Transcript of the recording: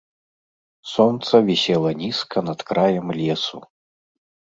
Сонца вісела нізка над краем лесу.